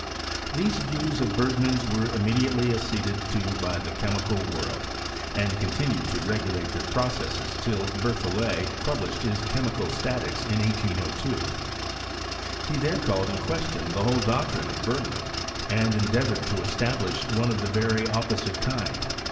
These views of Bergman's were immediately .ac ceded to by the chemical world, and continued to regulate their processes till Berthollet published his Chemical Statics in 1803. He therecalled in ques tion the whole doctrine of Bergman, and endea voured to establish one of the very opposite kind.